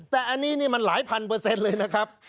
แต่อันนี้นี่มันหลายพันเปอร์เซ็นต์เลยนะครับ